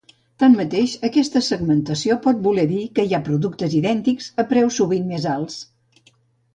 Tanmateix, aquesta segmentació pot voler dir que hi ha productes idèntics a preus sovint més alts.